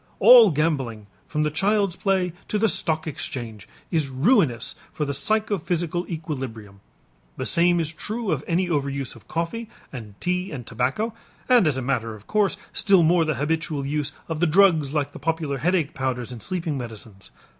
All gambling from the child's play to the stock exchange is ruinous for the psychophysical equilibrium. The same is true of any overuse of coffee and tea and tobacco, and as a matter of course still more the habitual use of the drugs like the popular headache powders and sleeping medicines.